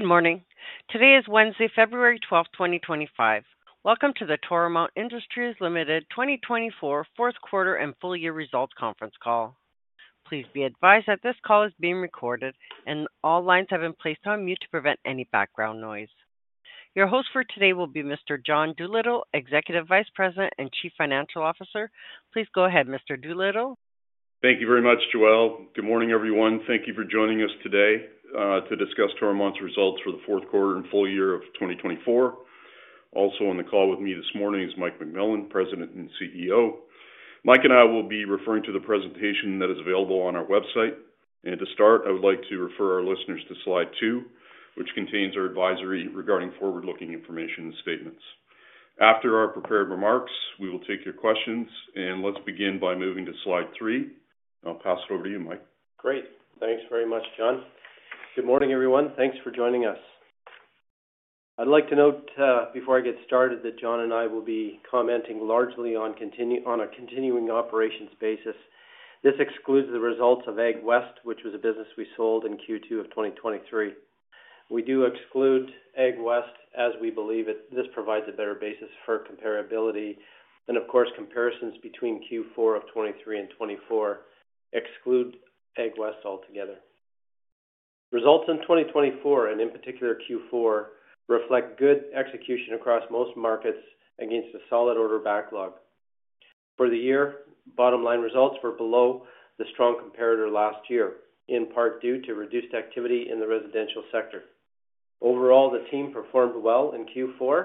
Good morning. Today is Wednesday, February 12th, 2025. Welcome to the Toromont Industries Limited 2024 Fourth Quarter and Full Year Results Conference call. Please be advised that this call is being recorded, and all lines have been placed on mute to prevent any background noise. Your host for today will be Mr. John Doolittle, Executive Vice President and Chief Financial Officer. Please go ahead, Mr. Doolittle. Thank you very much, Joelle. Good morning, everyone. Thank you for joining us today to discuss Toromont's results for the fourth quarter and full year of 2024. Also on the call with me this morning is Mike McMillan, President and CEO. Mike and I will be referring to the presentation that is available on our website. And to start, I would like to refer our listeners to slide two, which contains our advisory regarding forward-looking information and statements. After our prepared remarks, we will take your questions, and let's begin by moving to slide three. I'll pass it over to you, Mike. Great. Thanks very much, John. Good morning, everyone. Thanks for joining us. I'd like to note before I get started that John and I will be commenting largely on a continuing operations basis. This excludes the results of AgWest, which was a business we sold in Q2 of 2023. We do exclude AgWest as we believe this provides a better basis for comparability, and of course, comparisons between Q4 of 2023 and 2024 exclude AgWest altogether. Results in 2024, and in particular Q4, reflect good execution across most markets against a solid order backlog. For the year, bottom-line results were below the strong comparator last year, in part due to reduced activity in the residential sector. Overall, the team performed well in Q4,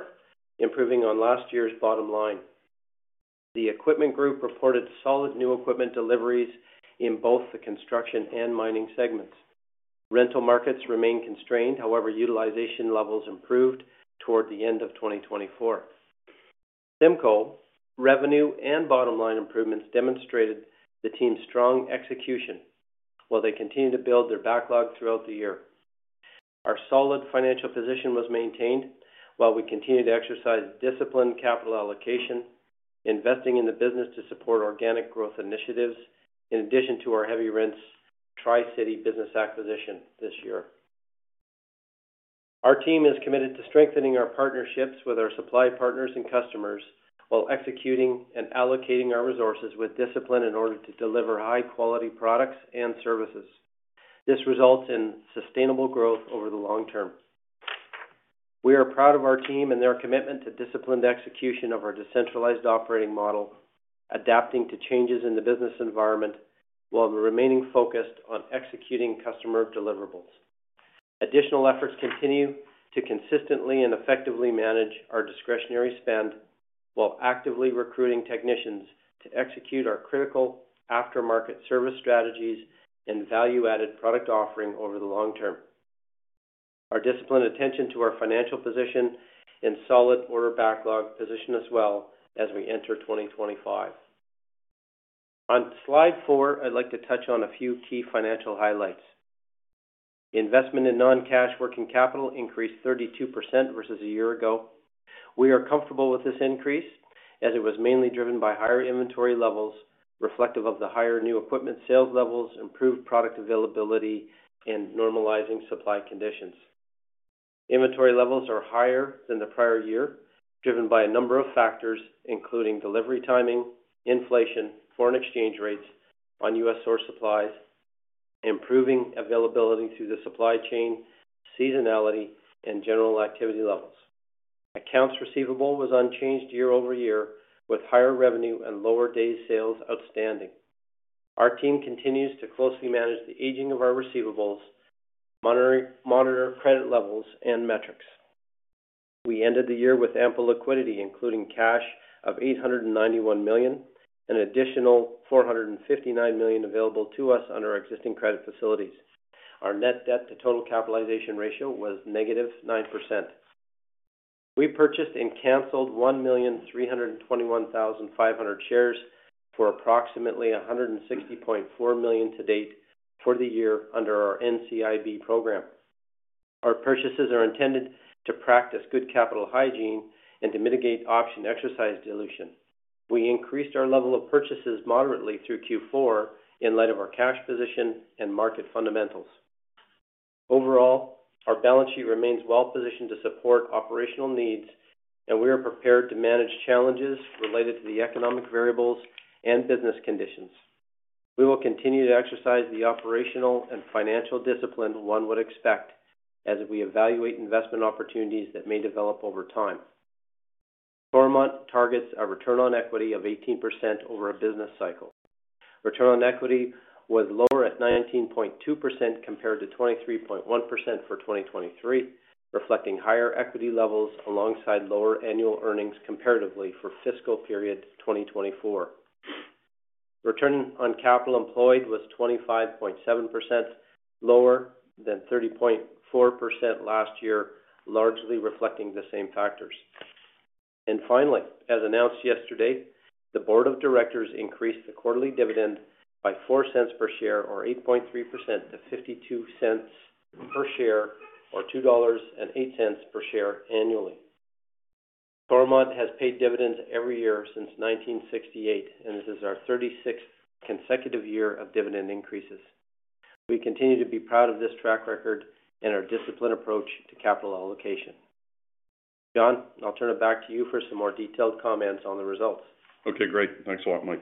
improving on last year's bottom line. The Equipment Group reported solid new equipment deliveries in both the construction and mining segments. Rental markets remained constrained. However, utilization levels improved toward the end of 2024. CIMCO revenue and bottom-line improvements demonstrated the team's strong execution while they continued to build their backlog throughout the year. Our solid financial position was maintained while we continued to exercise disciplined capital allocation, investing in the business to support organic growth initiatives, in addition to our recent Tri-City business acquisition this year. Our team is committed to strengthening our partnerships with our supply partners and customers while executing and allocating our resources with discipline in order to deliver high-quality products and services. This results in sustainable growth over the long term. We are proud of our team and their commitment to disciplined execution of our decentralized operating model, adapting to changes in the business environment while remaining focused on executing customer deliverables. Additional efforts continue to consistently and effectively manage our discretionary spend while actively recruiting technicians to execute our critical after-market service strategies and value-added product offering over the long term. Our disciplined attention to our financial position and solid order backlog position as well as we enter 2025. On slide four, I'd like to touch on a few key financial highlights. Investment in non-cash working capital increased 32% versus a year ago. We are comfortable with this increase as it was mainly driven by higher inventory levels, reflective of the higher new equipment sales levels, improved product availability, and normalizing supply conditions. Inventory levels are higher than the prior year, driven by a number of factors, including delivery timing, inflation, foreign exchange rates on U.S. source supplies, improving availability through the supply chain, seasonality, and general activity levels. Accounts receivable was unchanged year-over-year, with higher revenue and lower day sales outstanding. Our team continues to closely manage the aging of our receivables, monitor credit levels, and metrics. We ended the year with ample liquidity, including cash of $891 million and additional $459 million available to us under existing credit facilities. Our net debt-to-total capitalization ratio was negative 9%. We purchased and canceled 1,321,500 shares for approximately $160.4 million to date for the year under our NCIB program. Our purchases are intended to practice good capital hygiene and to mitigate option exercise dilution. We increased our level of purchases moderately through Q4 in light of our cash position and market fundamentals. Overall, our balance sheet remains well-positioned to support operational needs, and we are prepared to manage challenges related to the economic variables and business conditions. We will continue to exercise the operational and financial discipline one would expect as we evaluate investment opportunities that may develop over time. Toromont targets a return on equity of 18% over a business cycle. Return on equity was lower at 19.2% compared to 23.1% for 2023, reflecting higher equity levels alongside lower annual earnings comparatively for fiscal period 2024. Return on capital employed was 25.7%, lower than 30.4% last year, largely reflecting the same factors. Finally, as announced yesterday, the board of directors increased the quarterly dividend by $0.04 per share, or 8.3%, to $0.52 per share, or $2.08 per share annually. Toromont has paid dividends every year since 1968, and this is our 36th consecutive year of dividend increases. We continue to be proud of this track record and our disciplined approach to capital allocation. John, I'll turn it back to you for some more detailed comments on the results. Okay, great. Thanks a lot, Mike.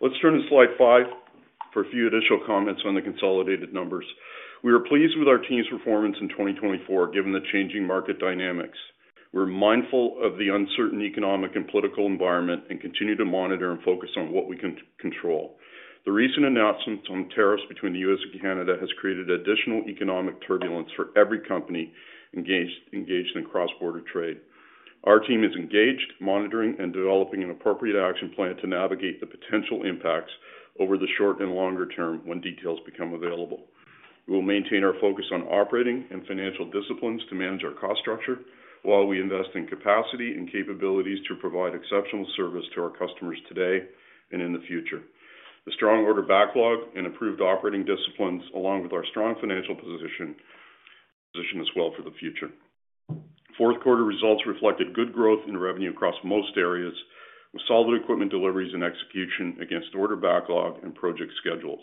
Let's turn to slide five for a few additional comments on the consolidated numbers. We are pleased with our team's performance in 2024, given the changing market dynamics. We're mindful of the uncertain economic and political environment and continue to monitor and focus on what we can control. The recent announcement on tariffs between the U.S. and Canada has created additional economic turbulence for every company engaged in cross-border trade. Our team is engaged, monitoring, and developing an appropriate action plan to navigate the potential impacts over the short and longer term when details become available. We will maintain our focus on operating and financial disciplines to manage our cost structure while we invest in capacity and capabilities to provide exceptional service to our customers today and in the future. The strong order backlog and improved operating disciplines, along with our strong financial position, position us well for the future. Fourth quarter results reflected good growth in revenue across most areas, with solid equipment deliveries and execution against order backlog and project schedules.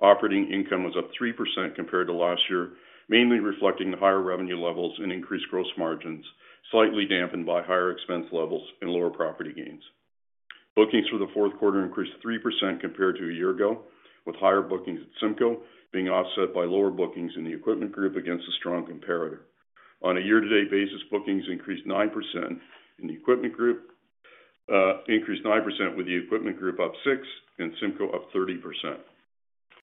Operating income was up 3% compared to last year, mainly reflecting the higher revenue levels and increased gross margins, slightly dampened by higher expense levels and lower property gains. Bookings for the fourth quarter increased 3% compared to a year ago, with higher bookings at CIMCO being offset by lower bookings in the Equipment Group against a strong comparator. On a year-to-date basis, bookings increased 9% in the Equipment Group, increased 9% with the Equipment Group up 6%, and CIMCO up 30%.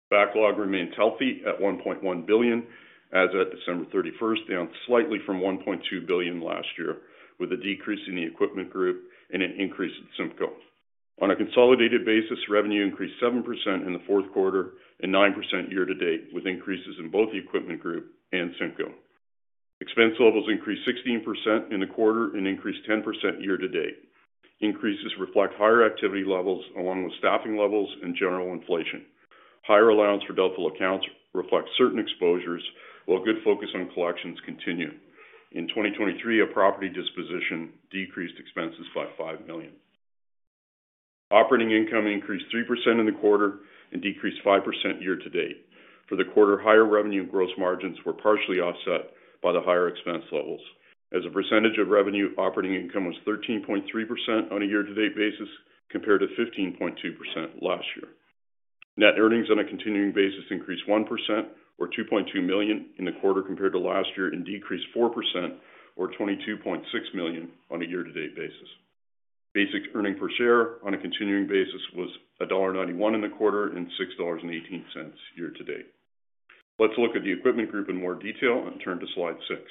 Backlog remains healthy at 1.1 billion as of December 31st, down slightly from 1.2 billion last year, with a decrease in the Equipment Group and an increase in CIMCO. On a consolidated basis, revenue increased 7% in the fourth quarter and 9% year-to-date, with increases in both the Equipment Group and CIMCO Expense levels increased 16% in the quarter and increased 10% year-to-date. Increases reflect higher activity levels along with staffing levels and general inflation. Higher allowance for doubtful accounts reflects certain exposures, while good focus on collections continued. In 2023, a property disposition decreased expenses by 5 million. Operating income increased 3% in the quarter and decreased 5% year-to-date. For the quarter, higher revenue and gross margins were partially offset by the higher expense levels. As a percentage of revenue, operating income was 13.3% on a year-to-date basis compared to 15.2% last year. Net earnings on a continuing basis increased 1%, or 2.2 million in the quarter compared to last year, and decreased 4%, or 22.6 million on a year-to-date basis. Basic earnings per share on a continuing basis was dollar 1.91 in the quarter and 6.18 dollars year-to-date. Let's look at the Equipment Group in more detail and turn to slide six.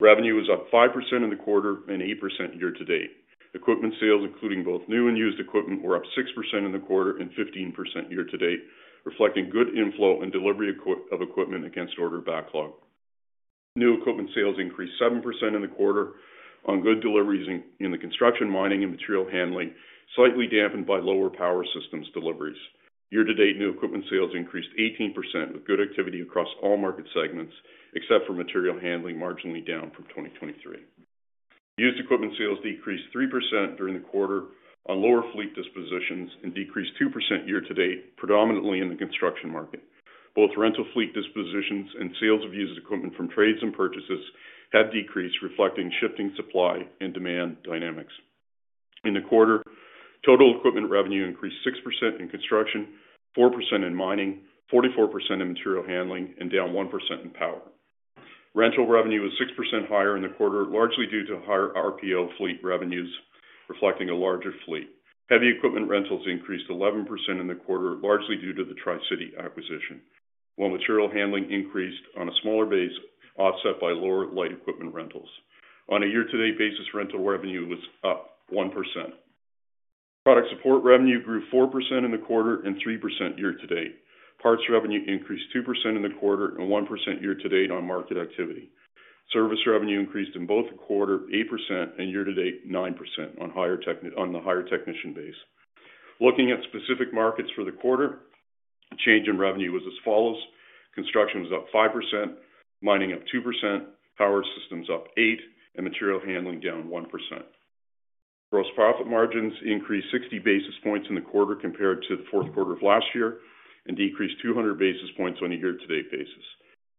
Revenue was up 5% in the quarter and 8% year-to-date. Equipment sales, including both new and used equipment, were up 6% in the quarter and 15% year-to-date, reflecting good inflow and delivery of equipment against order backlog. New equipment sales increased 7% in the quarter on good deliveries in the construction, mining, and material handling, slightly dampened by lower power systems deliveries. Year-to-date, new equipment sales increased 18% with good activity across all market segments, except for material handling, marginally down from 2023. Used equipment sales decreased 3% during the quarter on lower fleet dispositions and decreased 2% year-to-date, predominantly in the construction market. Both rental fleet dispositions and sales of used equipment from trades and purchases have decreased, reflecting shifting supply and demand dynamics. In the quarter, total equipment revenue increased 6% in construction, 4% in mining, 44% in material handling, and down 1% in power. Rental revenue was 6% higher in the quarter, largely due to higher RPO fleet revenues, reflecting a larger fleet. Heavy equipment rentals increased 11% in the quarter, largely due to the Tri-City acquisition, while material handling increased on a smaller base, offset by lower light equipment rentals. On a year-to-date basis, rental revenue was up 1%. Product support revenue grew 4% in the quarter and 3% year-to-date. Parts revenue increased 2% in the quarter and 1% year-to-date on market activity. Service revenue increased in both quarters 8% and year-to-date 9% on the higher technician base. Looking at specific markets for the quarter, change in revenue was as follows: construction was up 5%, mining up 2%, power systems up 8%, and material handling down 1%. Gross profit margins increased 60 basis points in the quarter compared to the fourth quarter of last year and decreased 200 basis points on a year-to-date basis.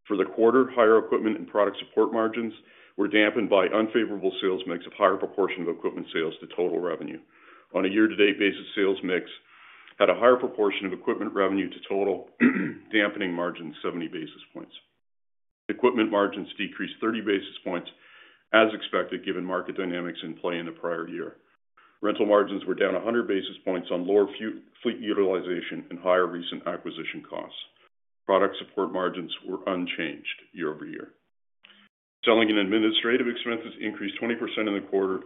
For the quarter, higher equipment and product support margins were dampened by unfavorable sales mix of higher proportion of equipment sales to total revenue. On a year-to-date basis, sales mix had a higher proportion of equipment revenue to total, dampening margins 70 basis points. Equipment margins decreased 30 basis points, as expected, given market dynamics in play in the prior year. Rental margins were down 100 basis points on lower fleet utilization and higher recent acquisition costs. Product support margins were unchanged year-over-year. Selling and administrative expenses increased 20% in the quarter,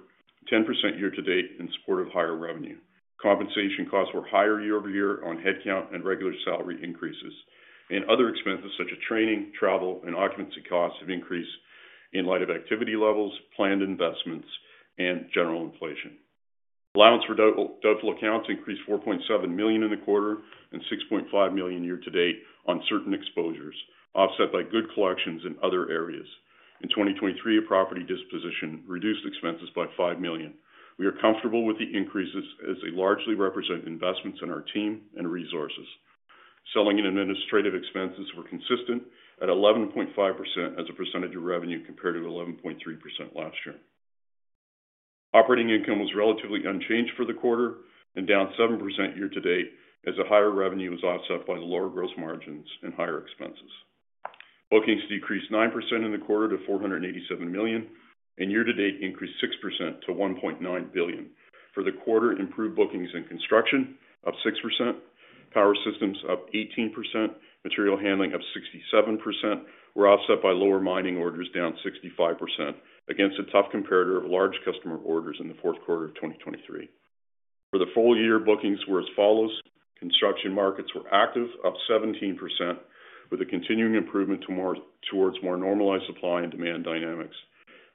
10% year-to-date in support of higher revenue. Compensation costs were higher year-over-year on headcount and regular salary increases. And other expenses such as training, travel, and occupancy costs have increased in light of activity levels, planned investments, and general inflation. Allowance for doubtful accounts increased 4.7 million in the quarter and 6.5 million year-to-date on certain exposures, offset by good collections in other areas. In 2023, a property disposition reduced expenses by 5 million. We are comfortable with the increases as they largely represent investments in our team and resources. Selling and administrative expenses were consistent at 11.5% as a percentage of revenue compared to 11.3% last year. Operating income was relatively unchanged for the quarter and down 7% year-to-date as the higher revenue was offset by the lower gross margins and higher expenses. Bookings decreased 9% in the quarter to 487 million, and year-to-date increased 6% to 1.9 billion. For the quarter, improved bookings in construction up 6%, power systems up 18%, material handling up 67%, were offset by lower mining orders down 65% against a tough comparator of large customer orders in the fourth quarter of 2023. For the full year, bookings were as follows. Construction markets were active, up 17%, with a continuing improvement towards more normalized supply and demand dynamics.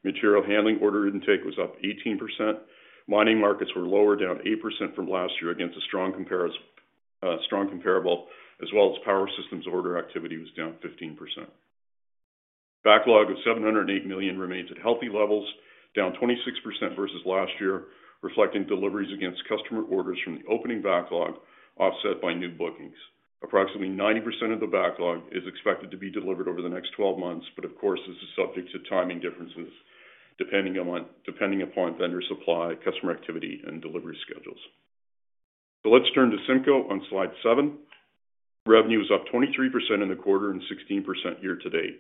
Material handling order intake was up 18%. Mining markets were lower, down 8% from last year against a strong comparable, as well as power systems order activity was down 15%. Backlog of 708 million remains at healthy levels, down 26% versus last year, reflecting deliveries against customer orders from the opening backlog, offset by new bookings. Approximately 90% of the backlog is expected to be delivered over the next 12 months, but of course, this is subject to timing differences depending upon vendor supply, customer activity, and delivery schedules. So let's turn to CIMCO on slide seven. Revenue was up 23% in the quarter and 16% year-to-date.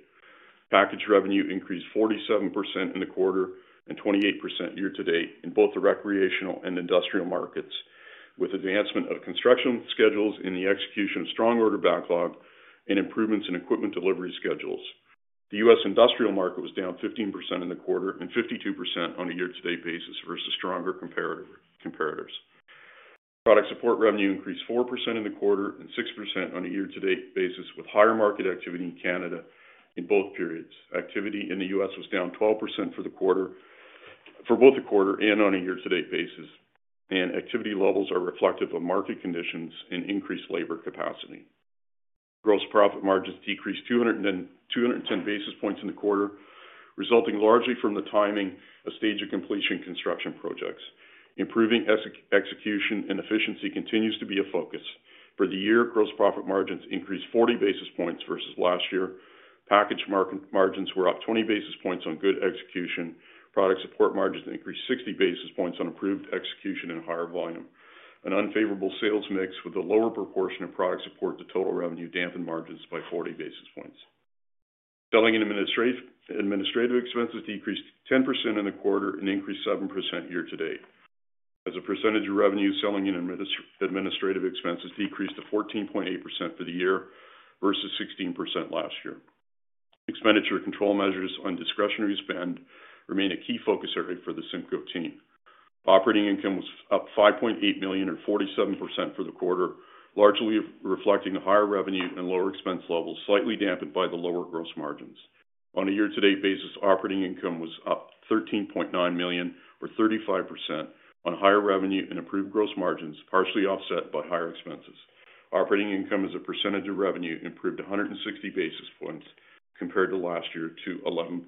Package revenue increased 47% in the quarter and 28% year-to-date in both the recreational and industrial markets, with advancement of construction schedules in the execution of strong order backlog and improvements in equipment delivery schedules. The U.S. industrial market was down 15% in the quarter and 52% on a year-to-date basis versus stronger comparators. Product support revenue increased 4% in the quarter and 6% on a year-to-date basis with higher market activity in Canada in both periods. Activity in the U.S. was down 12% for both the quarter and on a year-to-date basis, and activity levels are reflective of market conditions and increased labor capacity. Gross profit margins decreased 210 basis points in the quarter, resulting largely from the timing of stage of completion construction projects. Improving execution and efficiency continues to be a focus. For the year, gross profit margins increased 40 basis points versus last year. Package margins were up 20 basis points on good execution. Product support margins increased 60 basis points on improved execution and higher volume. An unfavorable sales mix with a lower proportion of product support to total revenue dampened margins by 40 basis points. Selling and administrative expenses decreased 10% in the quarter and increased 7% year-to-date. As a percentage of revenue, selling and administrative expenses decreased to 14.8% for the year versus 16% last year. Expenditure control measures on discretionary spend remain a key focus area for the CIMCO team. Operating income was up 5.8 million and 47% for the quarter, largely reflecting the higher revenue and lower expense levels, slightly dampened by the lower gross margins. On a year-to-date basis, operating income was up 13.9 million or 35% on higher revenue and improved gross margins, partially offset by higher expenses. Operating income as a percentage of revenue improved 160 basis points compared to last year to 11.6%.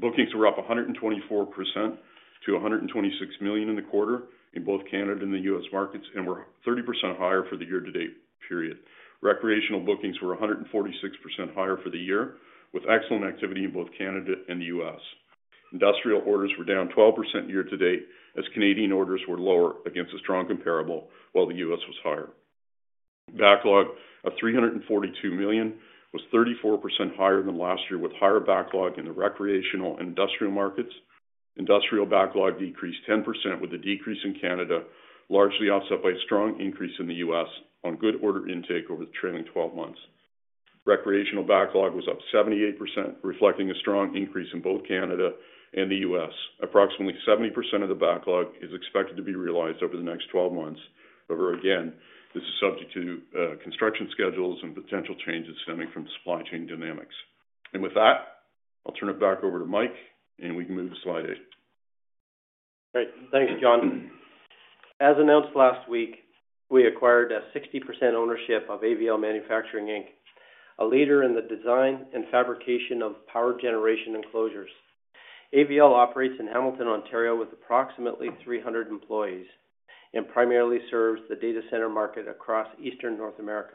Bookings were up 124% to 126 million in the quarter in both Canada and the U.S. markets and were 30% higher for the year-to-date period. Recreational bookings were 146% higher for the year, with excellent activity in both Canada and the U.S. Industrial orders were down 12% year-to-date as Canadian orders were lower against a strong comparable, while the U.S. was higher. Backlog of 342 million was 34% higher than last year, with higher backlog in the recreational and industrial markets. Industrial backlog decreased 10% with a decrease in Canada, largely offset by a strong increase in the U.S. on good order intake over the trailing 12 months. Recreational backlog was up 78%, reflecting a strong increase in both Canada and the U.S. Approximately 70% of the backlog is expected to be realized over the next 12 months. However, again, this is subject to construction schedules and potential changes stemming from supply chain dynamics. And with that, I'll turn it back over to Mike, and we can move to slide eight. Great. Thanks, John. As announced last week, we acquired a 60% ownership of AVL Manufacturing Inc., a leader in the design and fabrication of power generation enclosures. AVL operates in Hamilton, Ontario, with approximately 300 employees and primarily serves the data center market across Eastern North America.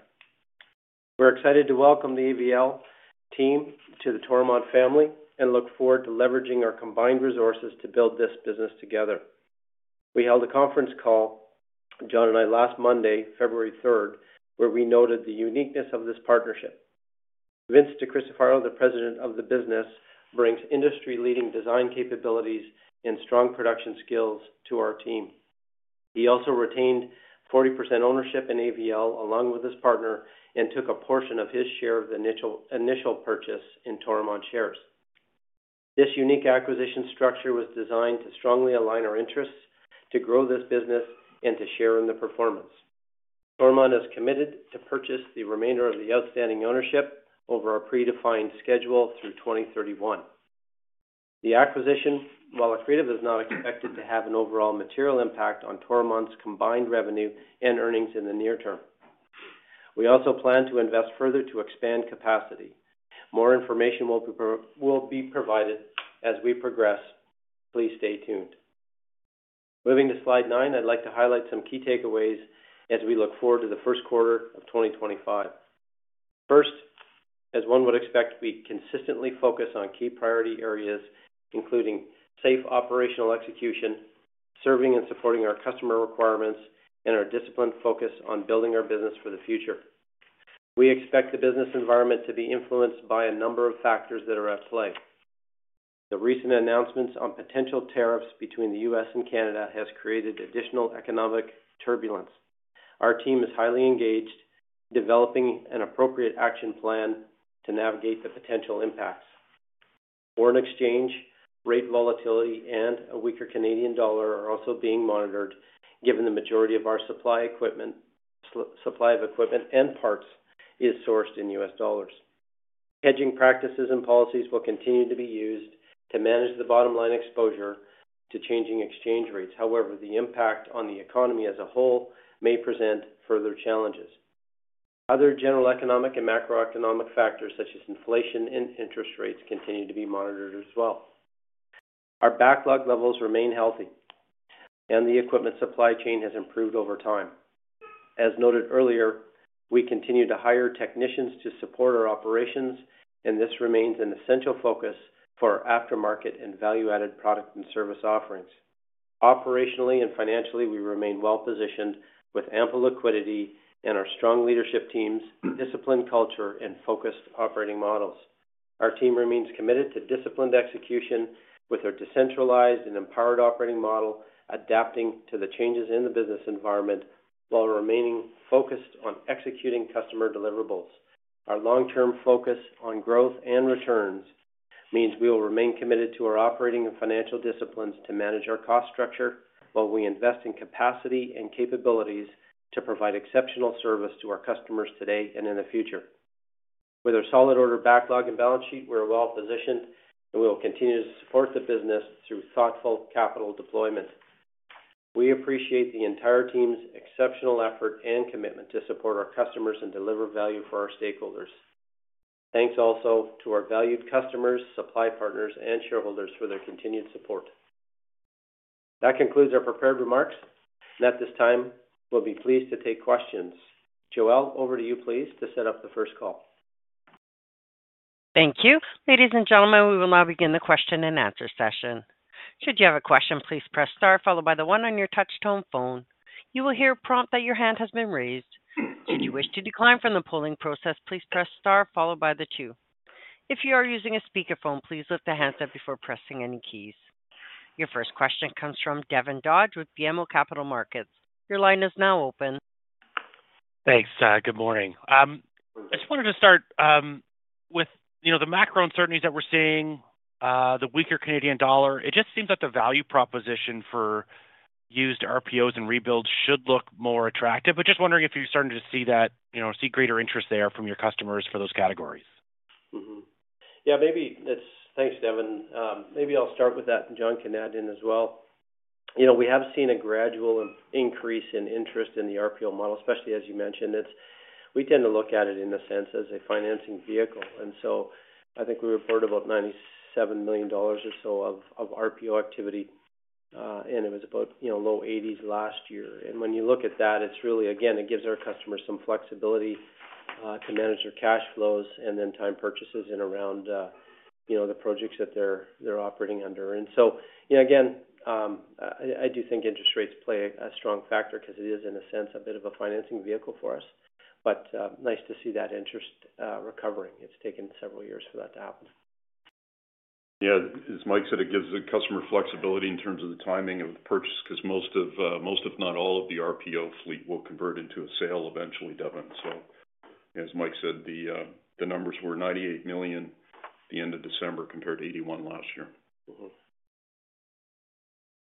We're excited to welcome the AVL team to the Toromont family and look forward to leveraging our combined resources to build this business together. We held a conference call, John and I, last Monday, February 3rd, where we noted the uniqueness of this partnership. Vince DiCristofaro, the president of the business, brings industry-leading design capabilities and strong production skills to our team. He also retained 40% ownership in AVL along with his partner and took a portion of his share of the initial purchase in Toromont shares. This unique acquisition structure was designed to strongly align our interests to grow this business and to share in the performance. Toromont is committed to purchase the remainder of the outstanding ownership over our predefined schedule through 2031. The acquisition, while accretive, is not expected to have an overall material impact on Toromont's combined revenue and earnings in the near term. We also plan to invest further to expand capacity. More information will be provided as we progress. Please stay tuned. Moving to slide nine, I'd like to highlight some key takeaways as we look forward to the first quarter of 2025. First, as one would expect, we consistently focus on key priority areas, including safe operational execution, serving and supporting our customer requirements, and our disciplined focus on building our business for the future. We expect the business environment to be influenced by a number of factors that are at play. The recent announcements on potential tariffs between the U.S. and Canada have created additional economic turbulence. Our team is highly engaged in developing an appropriate action plan to navigate the potential impacts. Foreign exchange, rate volatility, and a weaker Canadian dollar are also being monitored, given the majority of our supply of equipment and parts is sourced in U.S. dollars. Hedging practices and policies will continue to be used to manage the bottom line exposure to changing exchange rates. However, the impact on the economy as a whole may present further challenges. Other general economic and macroeconomic factors, such as inflation and interest rates, continue to be monitored as well. Our backlog levels remain healthy, and the equipment supply chain has improved over time. As noted earlier, we continue to hire technicians to support our operations, and this remains an essential focus for our aftermarket and value-added product and service offerings. Operationally and financially, we remain well-positioned with ample liquidity and our strong leadership teams, disciplined culture, and focused operating models. Our team remains committed to disciplined execution with our decentralized and empowered operating model, adapting to the changes in the business environment while remaining focused on executing customer deliverables. Our long-term focus on growth and returns means we will remain committed to our operating and financial disciplines to manage our cost structure while we invest in capacity and capabilities to provide exceptional service to our customers today and in the future. With our solid order backlog and balance sheet, we are well-positioned, and we will continue to support the business through thoughtful capital deployment. We appreciate the entire team's exceptional effort and commitment to support our customers and deliver value for our stakeholders. Thanks also to our valued customers, supply partners, and shareholders for their continued support. That concludes our prepared remarks, and at this time, we'll be pleased to take questions. Joelle, over to you, please, to set up the first call. Thank you. Ladies and gentlemen, we will now begin the question-and-answer session. Should you have a question, please press star, followed by the one on your touch-tone phone. You will hear a prompt that your hand has been raised. Should you wish to decline from the polling process, please press star, followed by the two. If you are using a speakerphone, please lift the handset up before pressing any keys. Your first question comes from Devin Dodge with BMO Capital Markets. Your line is now open. Thanks, Good morning. I just wanted to start with the macro uncertainties that we're seeing, the weaker Canadian dollar. It just seems that the value proposition for used RPOs and rebuilds should look more attractive, but just wondering if you're starting to see greater interest there from your customers for those categories. Yeah, thanks, Devin. Maybe I'll start with that, and John can add in as well. We have seen a gradual increase in interest in the RPO model, especially as you mentioned. We tend to look at it in a sense as a financing vehicle. And so I think we reported about 97 million dollars or so of RPO activity, and it was about low 80s million last year. When you look at that, it's really, again, it gives our customers some flexibility to manage their cash flows and then time purchases in around the projects that they're operating under. So again, I do think interest rates play a strong factor because it is, in a sense, a bit of a financing vehicle for us, but nice to see that interest recovering. It's taken several years for that to happen. Yeah, as Mike said, it gives the customer flexibility in terms of the timing of the purchase because most, if not all, of the RPO fleet will convert into a sale eventually, Devin. So as Mike said, the numbers were 98 million at the end of December compared to 81 million last year.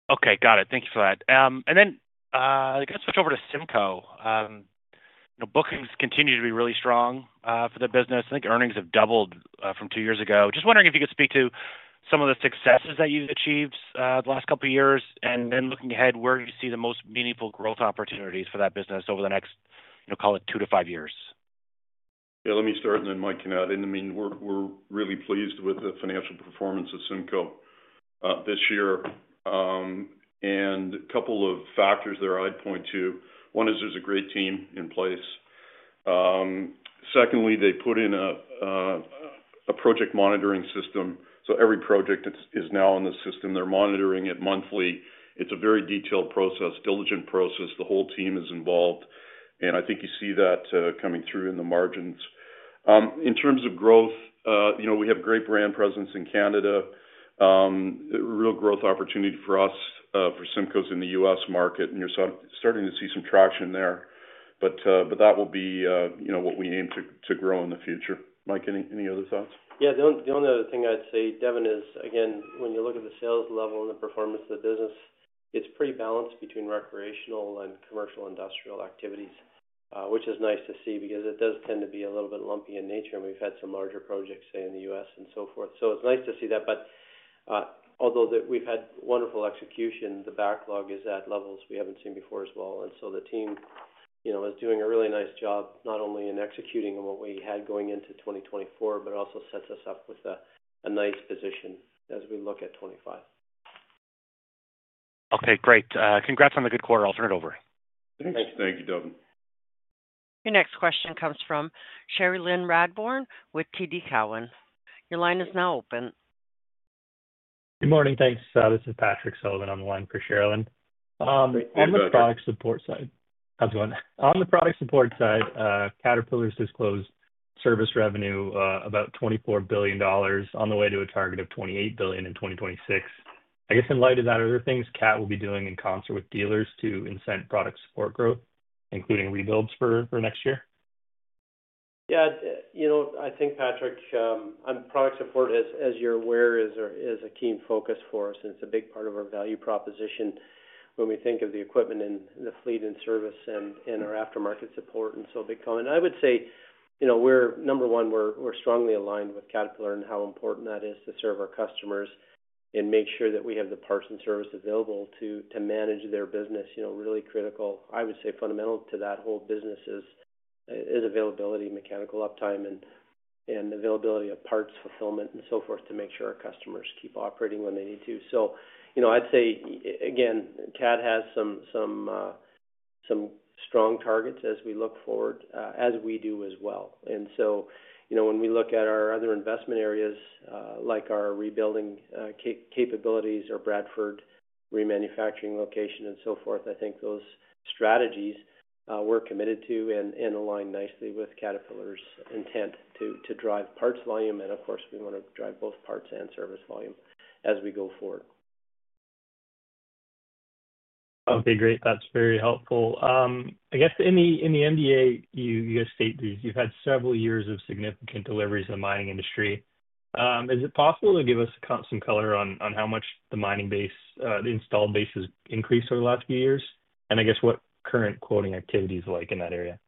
Okay. Got it. Thank you for that. Then I'm going to switch over to CIMCO. Bookings continue to be really strong for the business. I think earnings have doubled from two years ago. Just wondering if you could speak to some of the successes that you've achieved the last couple of years, and then looking ahead, where do you see the most meaningful growth opportunities for that business over the next, call it, two to five years? Yeah, let me start, and then Mike can add in. I mean, we're really pleased with the financial performance of CIMCO this year, and a couple of factors there I'd point to. One is there's a great team in place. Secondly, they put in a project monitoring system. So every project is now in the system. They're monitoring it monthly. It's a very detailed process, diligent process. The whole team is involved, and I think you see that coming through in the margins. In terms of growth, we have great brand presence in Canada. Real growth opportunity for us for CIMCO's in the U.S. market, and you're starting to see some traction there. But that will be what we aim to grow in the future. Mike, any other thoughts? Yeah. The only other thing I'd say, Devin, is, again, when you look at the sales level and the performance of the business, it's pretty balanced between recreational and commercial industrial activities, which is nice to see because it does tend to be a little bit lumpy in nature, and we've had some larger projects, say, in the U.S. and so forth. So it's nice to see that. But although we've had wonderful execution, the backlog is at levels we haven't seen before as well. So the team is doing a really nice job, not only in executing what we had going into 2024, but also sets us up with a nice position as we look at 2025. Okay. Great. Congrats on the good quarter. I'll turn it over. Thanks. Thank you, Devin. Your next question comes from Cherilyn Radbourne with TD Cowen. Your line is now open. Good morning. Thanks. This is Patrick Sullivan on the line for Cherilyn. On the product support side. How's it going? On the product support side, Caterpillar's disclosed service revenue about $24 billion on the way to a target of $28 billion in 2026. I guess in light of that, are there things CAT will be doing in concert with dealers to incent product support growth, including rebuilds for next year? Yeah. I think, Patrick, product support, as you're aware, is a keen focus for us, and it's a big part of our value proposition when we think of the equipment and the fleet and service and our aftermarket support. A big comment. I would say, number one, we're strongly aligned with Caterpillar and how important that is to serve our customers and make sure that we have the parts and service available to manage their business. Really critical. I would say fundamental to that whole business is availability, mechanical uptime, and availability of parts, fulfillment, and so forth to make sure our customers keep operating when they need to. I'd say, again, CAT has some strong targets as we look forward, as we do as well. And so when we look at our other investment areas, like our rebuilding capabilities, our Bradford remanufacturing location, and so forth, I think those strategies we're committed to and align nicely with Caterpillar's intent to drive parts volume. And of course, we want to drive both parts and service volume as we go forward. Okay. Great. That's very helpful. I guess in the MDA, you guys state you've had several years of significant deliveries in the mining industry. Is it possible to give us some color on how much the mining base, the installed base, has increased over the last few years? And I guess what current quoting activity is like in that area?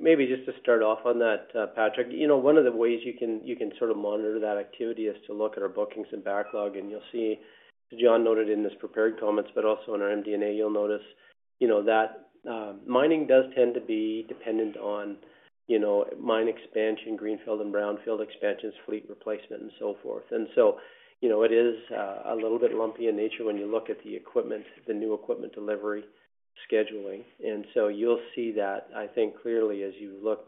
Maybe just to start off on that, Patrick, one of the ways you can sort of monitor that activity is to look at our bookings and backlog, and you'll see, as John noted in his prepared comments, but also in our MD&A, you'll notice that mining does tend to be dependent on mine expansion, greenfield and brownfield expansions, fleet replacement, and so forth. And so it is a little bit lumpy in nature when you look at the equipment, the new equipment delivery scheduling. And so you'll see that, I think, clearly as you look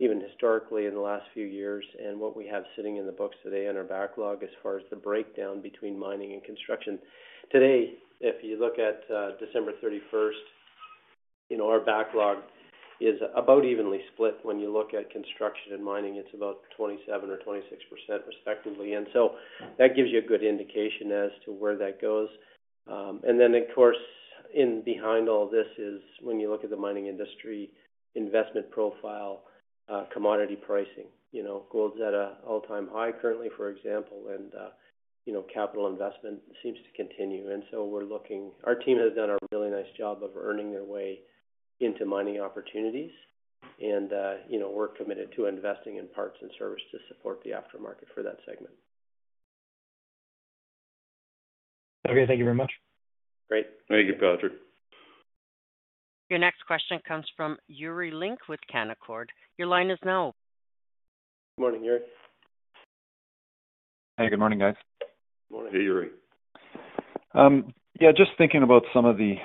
even historically in the last few years and what we have sitting in the books today in our backlog as far as the breakdown between mining and construction. Today, if you look at December 31st, our backlog is about evenly split. When you look at construction and mining, it's about 27% or 26%, respectively. And so that gives you a good indication as to where that goes. And then, of course, behind all this is, when you look at the mining industry investment profile, commodity pricing, gold's at an all-time high currently, for example, and capital investment seems to continue. And so our team has done a really nice job of earning their way into mining opportunities, and we're committed to investing in parts and service to support the aftermarket for that segment. Okay. Thank you very much. Great. Thank you, Patrick. Your next question comes from Yuri Lynk with Canaccord. Your line is now open. Good morning, Yuri. Hey, good morning, guys. Good morning, Yuri. Yeah, just thinking about some of the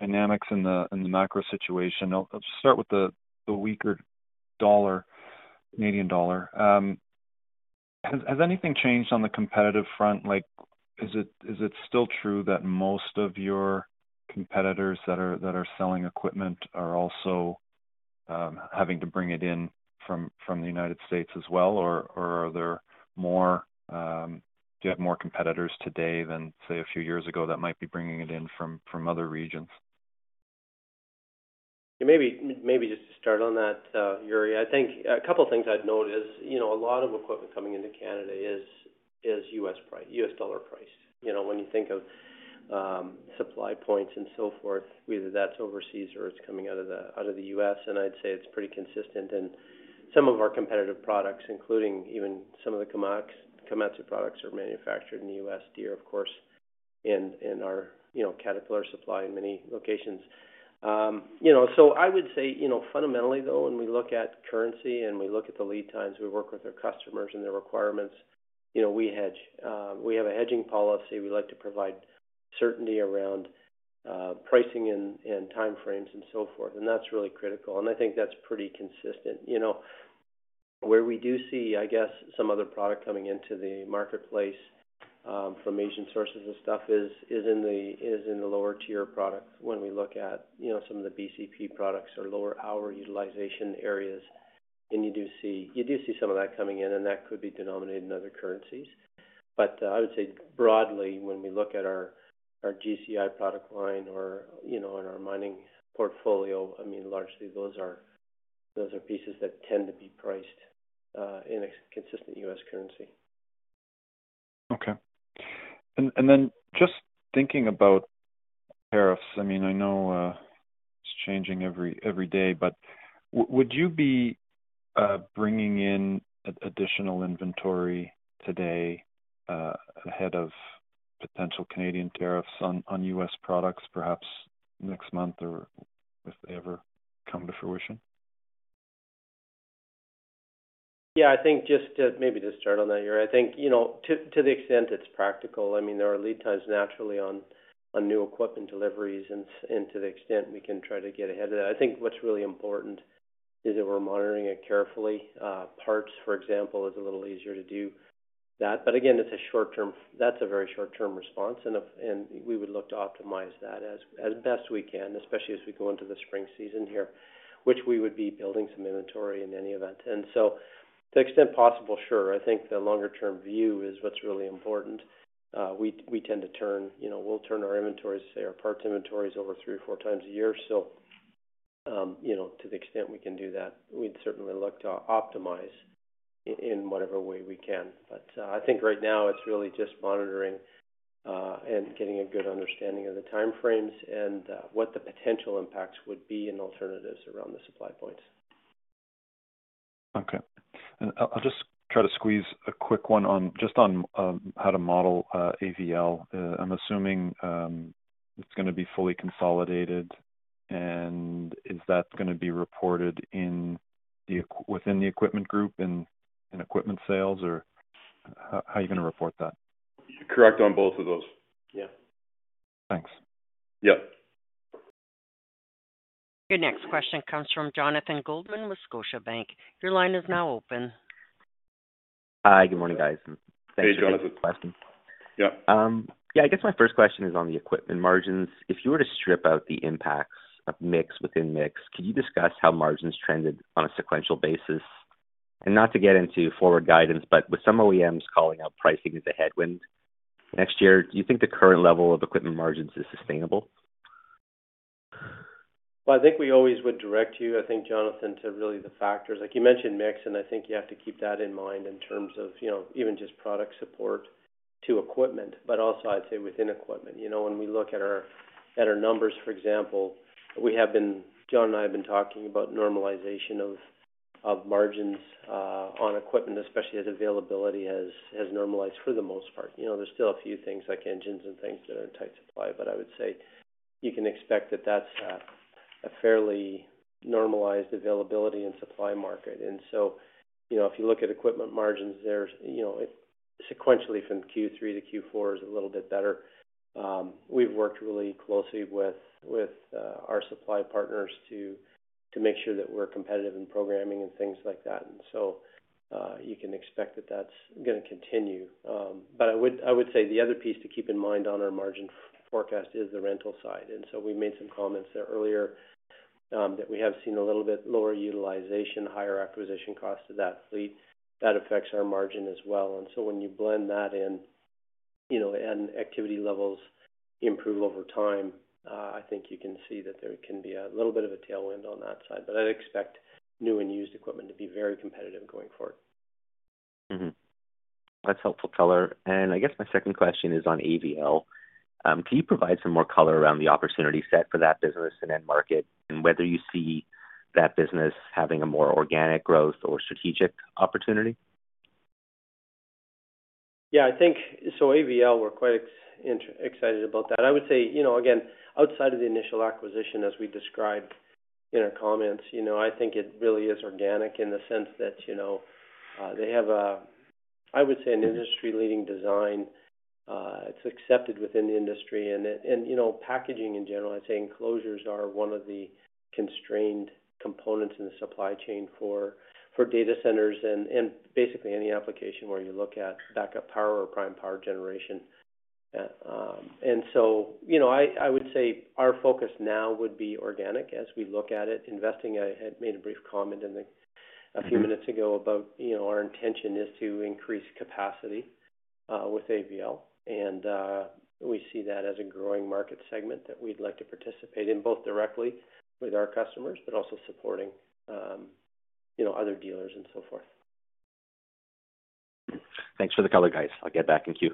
dynamics in the macro situation, I'll just start with the weaker Canadian dollar. Has anything changed on the competitive front? Is it still true that most of your competitors that are selling equipment are also having to bring it in from the United States as well, or do you have more competitors today than, say, a few years ago that might be bringing it in from other regions? Maybe just to start on that, Yuri, I think a couple of things I'd note is a lot of equipment coming into Canada is U.S. dollar priced. When you think of supply points and so forth, whether that's overseas or it's coming out of the U.S., and I'd say it's pretty consistent. And some of our competitive products, including even some of the Komatsu products, are manufactured in the U.S. there, of course, in our Caterpillar supply in many locations. So I would say, fundamentally, though, when we look at currency and we look at the lead times, we work with our customers and their requirements. We have a hedging policy. We like to provide certainty around pricing and timeframes and so forth, and that's really critical. And I think that's pretty consistent. Where we do see, I guess, some other product coming into the marketplace from Asian sources of stuff is in the lower-tier products when we look at some of the BCP products or lower-hour utilization areas. And you do see some of that coming in, and that could be denominated in other currencies. But I would say, broadly, when we look at our GCI product line or in our mining portfolio, I mean, largely, those are pieces that tend to be priced in a consistent U.S. currency. Okay. And then, just thinking about tariffs, I mean, I know it's changing every day, but would you be bringing in additional inventory today ahead of potential Canadian tariffs on U.S. products, perhaps next month or if they ever come to fruition? Yeah. I think just maybe to start on that, Yuri, I think to the extent it's practical, I mean, there are lead times naturally on new equipment deliveries, and to the extent we can try to get ahead of that. I think what's really important is that we're monitoring it carefully. Parts, for example, is a little easier to do that. But again, that's a very short-term response, and we would look to optimize that as best we can, especially as we go into the spring season here, which we would be building some inventory in any event. And so to the extent possible, sure. I think the longer-term view is what's really important. We tend to turn, we'll turn our inventories, say, our parts inventories over three or four times a year. So to the extent we can do that, we'd certainly look to optimize in whatever way we can. But I think right now it's really just monitoring and getting a good understanding of the timeframes and what the potential impacts would be and alternatives around the supply points. Okay. And I'll just try to squeeze a quick one just on how to model AVL. I'm assuming it's going to be fully consolidated, and is that going to be reported within the Equipment Group and equipment sales, or how are you going to report that? Correct on both of those. Yeah. Thanks. Yeah. Your next question comes from Jonathan Goldman with Scotiabank. Your line is now open. Hi. Good morning, guys. Thanks for the question. Yeah. I guess my first question is on the equipment margins. If you were to strip out the impacts of mix within mix, could you discuss how margins trended on a sequential basis? And not to get into forward guidance, but with some OEMs calling out pricing as a headwind next year, do you think the current level of equipment margins is sustainable? Well, I think we always would direct you, I think, Jonathan, to really the factors. Like you mentioned mix, and I think you have to keep that in mind in terms of even just product support to equipment, but also, I'd say, within equipment. When we look at our numbers, for example, John and I have been talking about normalization of margins on equipment, especially as availability has normalized for the most part. There's still a few things like engines and things that are in tight supply, but I would say you can expect that that's a fairly normalized availability and supply market. And so if you look at equipment margins, sequentially from Q3 to Q4 is a little bit better. We've worked really closely with our supply partners to make sure that we're competitive in programming and things like that. And so you can expect that that's going to continue. But I would say the other piece to keep in mind on our margin forecast is the rental side. And so we made some comments there earlier that we have seen a little bit lower utilization, higher acquisition costs to that fleet. That affects our margin as well. And so when you blend that in and activity levels improve over time, I think you can see that there can be a little bit of a tailwind on that side. But I expect new and used equipment to be very competitive going forward. That's helpful color. And I guess my second question is on AVL. Can you provide some more color around the opportunity set for that business and end market and whether you see that business having a more organic growth or strategic opportunity? Yeah. So AVL, we're quite excited about that. I would say, again, outside of the initial acquisition, as we described in our comments, I think it really is organic in the sense that they have, I would say, an industry-leading design. It's accepted within the industry. Packaging in general, I'd say enclosures are one of the constrained components in the supply chain for data centers and basically any application where you look at backup power or prime power generation. And so I would say our focus now would be organic as we look at it. Investing, I had made a brief comment a few minutes ago about our intention is to increase capacity with AVL, and we see that as a growing market segment that we'd like to participate in both directly with our customers, but also supporting other dealers and so forth. Thanks for the color, guys. I'll get back in queue.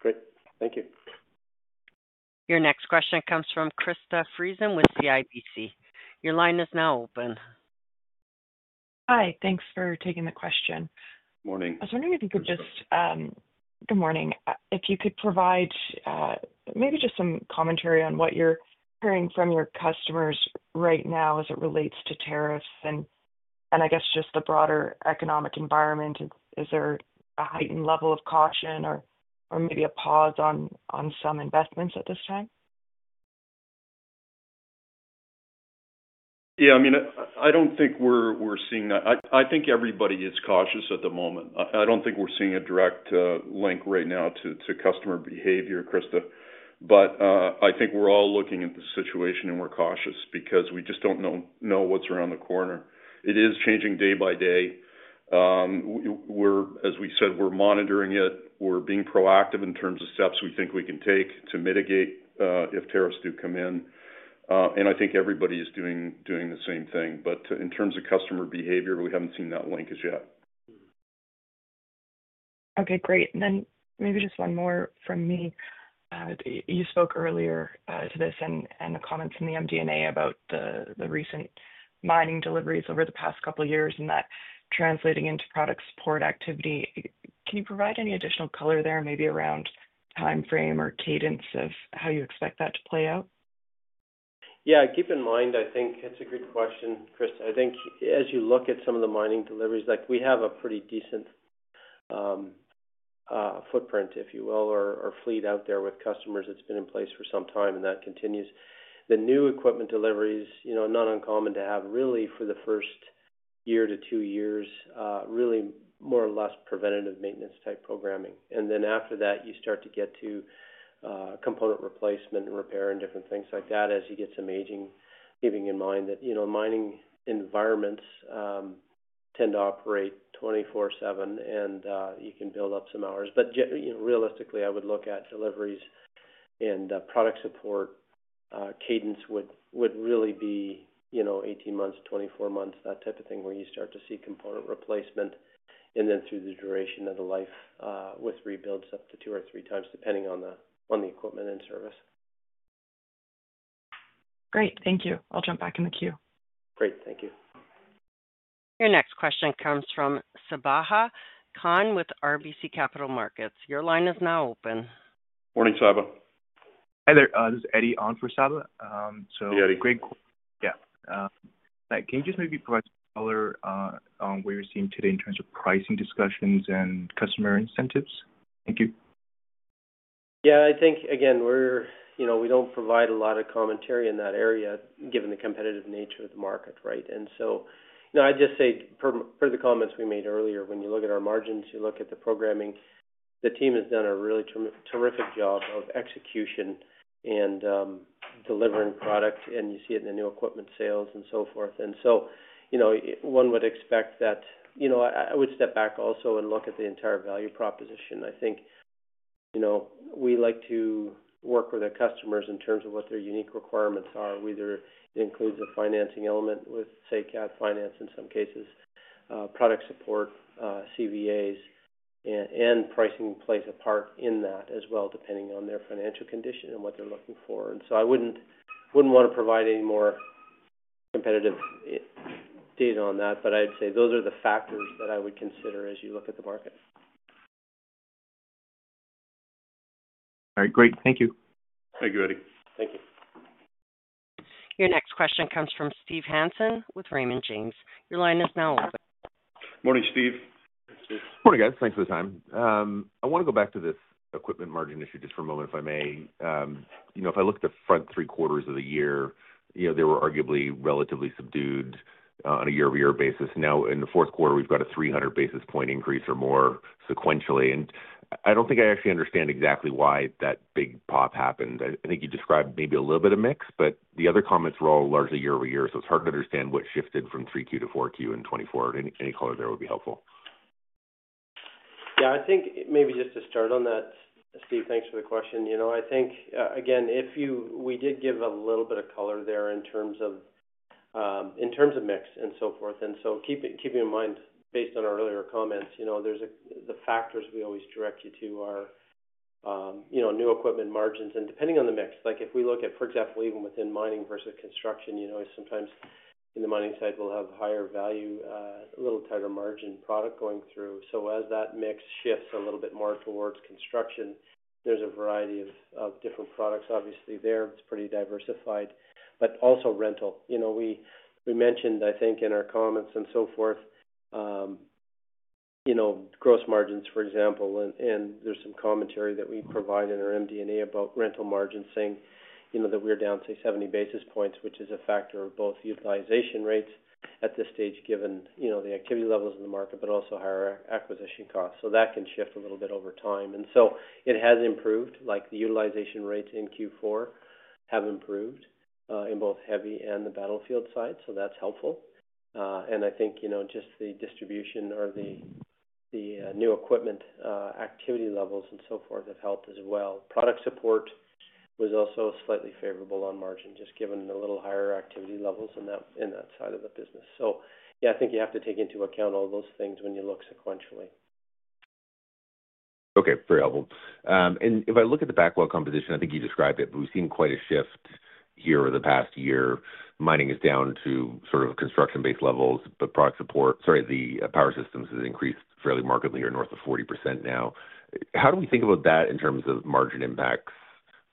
Great. Thank you. Your next question comes from Krista Friesen with CIBC. Your line is now open. Hi. Thanks for taking the question. Morning. I was wondering if you could just, good morning. If you could provide maybe just some commentary on what you're hearing from your customers right now as it relates to tariffs and, I guess, just the broader economic environment. Is there a heightened level of caution or maybe a pause on some investments at this time? Yeah. I mean, I don't think we're seeing that. I think everybody is cautious at the moment. I don't think we're seeing a direct link right now to customer behavior, Krista. But I think we're all looking at the situation and we're cautious because we just don't know what's around the corner. It is changing day by day. As we said, we're monitoring it. We're being proactive in terms of steps we think we can take to mitigate if tariffs do come in. And I think everybody is doing the same thing. But in terms of customer behavior, we haven't seen that linkage yet. Okay. Great. And then maybe just one more from me. You spoke earlier to this and the comments in the MD&A about the recent mining deliveries over the past couple of years and that translating into product support activity. Can you provide any additional color there, maybe around timeframe or cadence of how you expect that to play out? Yeah. Keep in mind. I think it's a good question, Krista. I think as you look at some of the mining deliveries, we have a pretty decent footprint, if you will, or fleet out there with customers that's been in place for some time, and that continues. The new equipment deliveries are not uncommon to have really for the first year to two years, really more or less preventative maintenance-type programming. And then after that, you start to get to component replacement and repair and different things like that as you get some aging, keeping in mind that mining environments tend to operate 24/7, and you can build up some hours. But realistically, I would look at deliveries and product support cadence would really be 18 months, 24 months, that type of thing where you start to see component replacement and then through the duration of the life with rebuilds up to two or three times, depending on the equipment and service. Great. Thank you. I'll jump back in the queue. Great. Thank you. Your next question comes from Sabahat Khan with RBC Capital Markets. Your line is now open. Morning, Saba. Hi there. This is Eddie on for Saba. So. Yeah, Great. Yeah. Can you just maybe provide some color on what you're seeing today in terms of pricing discussions and customer incentives? Thank you. Yeah. I think, again, we don't provide a lot of commentary in that area given the competitive nature of the market, right, and so I'd just say per the comments we made earlier, when you look at our margins, you look at the programming, the team has done a really terrific job of execution and delivering product, and you see it in the new equipment sales and so forth, and so one would expect that I would step back also and look at the entire value proposition. I think we like to work with our customers in terms of what their unique requirements are. Whether it includes a financing element with, say, CAT finance in some cases, product support, CVAs, and pricing plays a part in that as well, depending on their financial condition and what they're looking for. And so I wouldn't want to provide any more competitive data on that, but I'd say those are the factors that I would consider as you look at the market. All right. Great. Thank you. Thank you, Eddie. Thank you. Your next question comes from Steve Hansen with Raymond James. Your line is now open. Morning, Steve. Morning, guys. Thanks for the time. I want to go back to this equipment margin issue just for a moment, if I may. If I look at the front three quarters of the year, they were arguably relatively subdued on a year-over-year basis. Now, in the fourth quarter, we've got a 300 basis point increase or more sequentially. I don't think I actually understand exactly why that big pop happened. I think you described maybe a little bit of mix, but the other comments were all largely year-over-year, so it's hard to understand what shifted from 3Q to 4Q in 2024. Any color there would be helpful. Yeah. I think maybe just to start on that, Steve, thanks for the question. I think, again, we did give a little bit of color there in terms of mix and so forth. So keeping in mind, based on our earlier comments, the factors we always direct you to are new equipment margins. And depending on the mix, if we look at, for example, even within mining versus construction, sometimes in the mining side, we'll have higher value, a little tighter margin product going through. So as that mix shifts a little bit more towards construction, there's a variety of different products, obviously, there. It's pretty diversified. But also rental. We mentioned, I think, in our comments and so forth, gross margins, for example. And there's some commentary that we provide in our MD&A about rental margins, saying that we're down, say, 70 basis points, which is a factor of both utilization rates at this stage given the activity levels in the market, but also higher acquisition costs. So that can shift a little bit over time. And so it has improved. The utilization rates in Q4 have improved in both heavy and the Battlefield side. So that's helpful. And I think just the distribution or the new equipment activity levels and so forth have helped as well. Product support was also slightly favorable on margin, just given the little higher activity levels in that side of the business. So yeah, I think you have to take into account all those things when you look sequentially. Okay. Very helpful. And if I look at the backlog composition, I think you described it, but we've seen quite a shift here over the past year. Mining is down to sort of construction-based levels, but product support, sorry, the power systems have increased fairly markedly here north of 40% now. How do we think about that in terms of margin impacts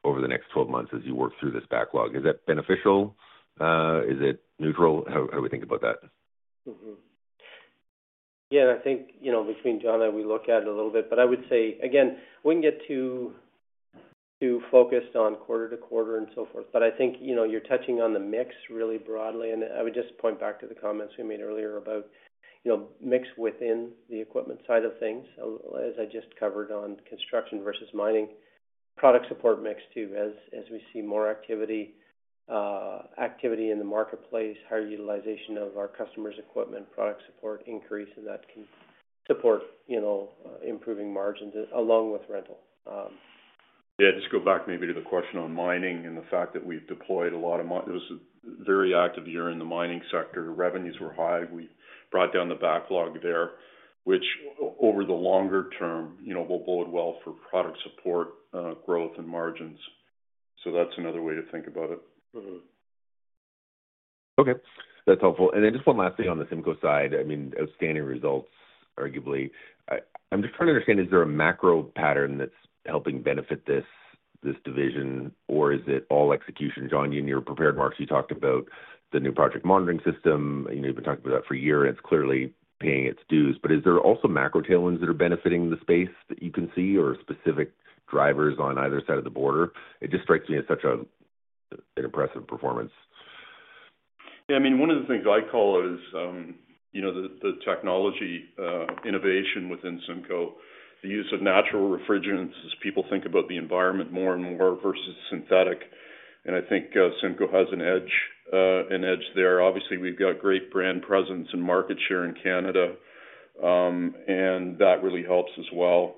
over the next 12 months as you work through this backlog? Is that beneficial? Is it neutral? How do we think about that? Yeah. I think between John and I, we look at it a little bit. But I would say, again, we can get too focused on quarter to quarter and so forth. But I think you're touching on the mix really broadly. And I would just point back to the comments we made earlier about mix within the equipment side of things, as I just covered on construction versus mining, product support mix too, as we see more activity in the marketplace, higher utilization of our customers' equipment, product support increase, and that can support improving margins along with rental. Yeah. Just go back maybe to the question on mining and the fact that we've deployed a lot of it. It was a very active year in the mining sector. Revenues were high. We brought down the backlog there, which over the longer term, will bode well for product support growth and margins. So that's another way to think about it. Okay. That's helpful. Then just one last thing on the CIMCO side. I mean, outstanding results, arguably. I'm just trying to understand, is there a macro pattern that's helping benefit this division, or is it all execution? John, in your prepared remarks, you talked about the new project monitoring system. You've been talking about that for a year, and it's clearly paying its dues. But is there also macro tailwinds that are benefiting the space that you can see, or specific drivers on either side of the border? It just strikes me as such an impressive performance. Yeah. I mean, one of the things I call it is the technology innovation within CIMCO, the use of natural refrigerants, as people think about the environment more and more versus synthetic. And I think CIMCO has an edge there. Obviously, we've got great brand presence and market share in Canada, and that really helps as well.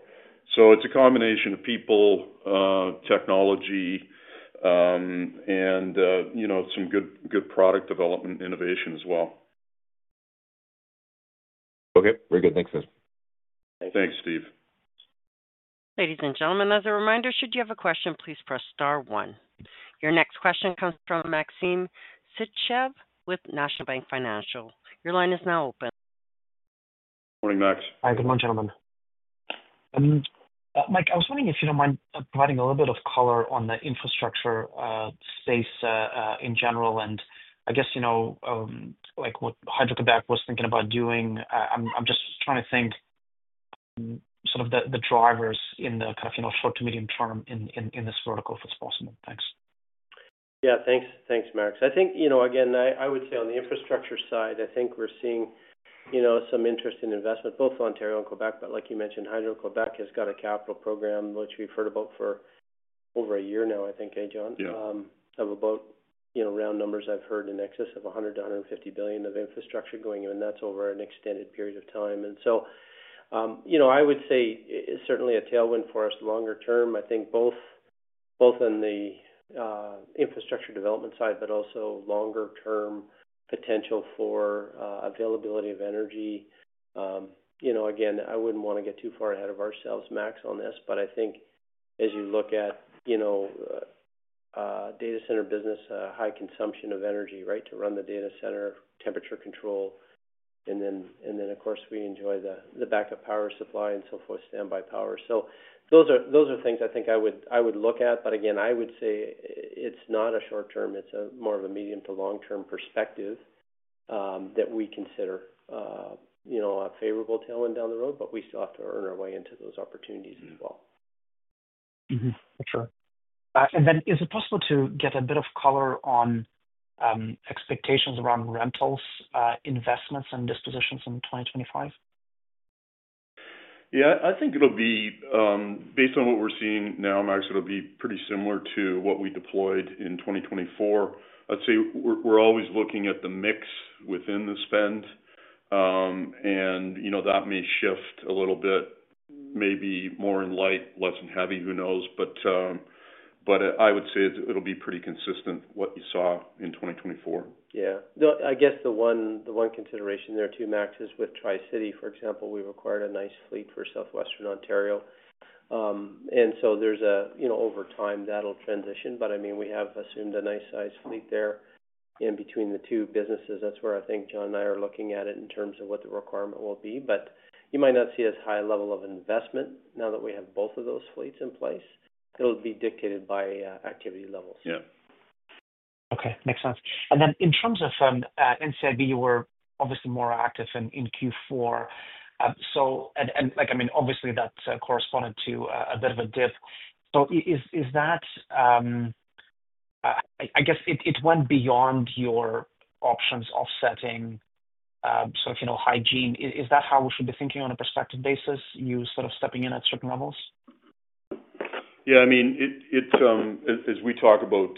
So it's a combination of people, technology, and some good product development innovation as well. Okay. Very good. Thanks. Thanks, Steve. Ladies and gentlemen, as a reminder, should you have a question, please press star one. Your next question comes from Maxim Sytchev with National Bank Financial. Your line is now open. Morning, Max. Hi. Good morning, gentlemen. Mike, I was wondering if you don't mind providing a little bit of color on the infrastructure space in general. And I guess what Hydro-Québec was thinking about doing, I'm just trying to think sort of the drivers in the kind of short to medium term in this vertical, if it's possible. Thanks. Yeah. Thanks, Max. I think, again, I would say on the infrastructure side, I think we're seeing some interest in investment, both Ontario and Quebec. But like you mentioned, Hydro-Québec has got a capital program, which we've heard about for over a year now, I think, hey, John? Yeah. Of about round numbers I've heard in excess of 100 billion-150 billion of infrastructure going in, and that's over an extended period of time. And so I would say it's certainly a tailwind for us longer term. I think both in the infrastructure development side, but also longer-term potential for availability of energy. Again, I wouldn't want to get too far ahead of ourselves, Max, on this, but I think as you look at data center business, high consumption of energy, right, to run the data center, temperature control. And then, of course, we enjoy the backup power supply and so forth, standby power. So those are things I think I would look at. But again, I would say it's not a short-term. It's more of a medium to long-term perspective that we consider a favorable tailwind down the road, but we still have to earn our way into those opportunities as well. For sure. And then is it possible to get a bit of color on expectations around rentals investments and dispositions in 2025? Yeah. I think it'll be based on what we're seeing now, Max, it'll be pretty similar to what we deployed in 2024. I'd say we're always looking at the mix within the spend, and that may shift a little bit, maybe more in light, less in heavy, who knows? But I would say it'll be pretty consistent what you saw in 2024. Yeah. I guess the one consideration there too, Max, is with Tri-City, for example, we've acquired a nice fleet for Southwestern Ontario. And so there's over time that'll transition. But I mean, we have assumed a nice size fleet there. And between the two businesses, that's where I think John and I are looking at it in terms of what the requirement will be. But you might not see as high a level of investment now that we have both of those fleets in place. It'll be dictated by activity levels. Yeah. Okay. Makes sense. And then in terms of NCIB, you were obviously more active in Q4. And I mean, obviously, that corresponded to a bit of a dip. So, is that, I guess, it went beyond your options offsetting sort of hygiene? Is that how we should be thinking on a prospective basis, you sort of stepping in at certain levels? Yeah. I mean, as we talk about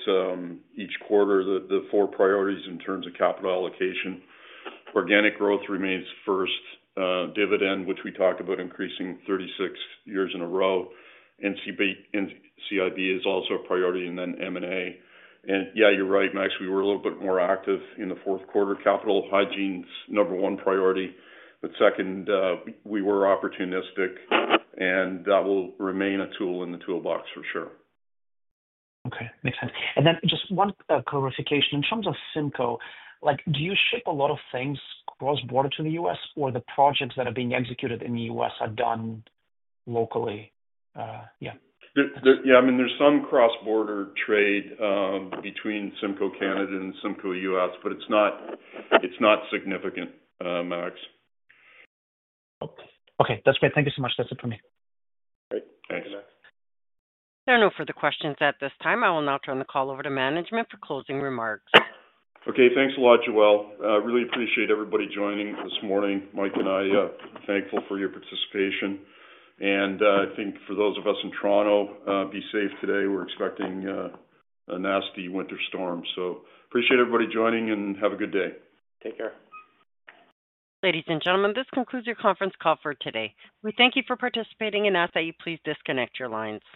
each quarter, the four priorities in terms of capital allocation, organic growth remains first, dividend, which we talked about increasing 36 years in a row. NCIB is also a priority, and then M&A. And yeah, you're right, Max. We were a little bit more active in the fourth quarter. Capital hygiene's number one priority. But second, we were opportunistic, and that will remain a tool in the toolbox, for sure. Okay. Makes sense. And then just one clarification. In terms of CIMCO, do you ship a lot of things cross-border to the US, or the projects that are being executed in the US are done locally? Yeah. Yeah. I mean, there's some cross-border trade between CIMCO Canada and CIMCO US, but it's not significant, Max. Okay. That's great. Thank you so much. That's it for me. Great. Thanks. Thanks, Max. There are no further questions at this time. I will now turn the call over to management for closing remarks. Okay. Thanks a lot, Joelle. I really appreciate everybody joining this morning. Mike and I are thankful for your participation, and I think for those of us in Toronto, be safe today. We're expecting a nasty winter storm, so appreciate everybody joining, and have a good day. Take care. Ladies and gentlemen, this concludes your conference call for today. We thank you for participating and ask that you please disconnect your lines.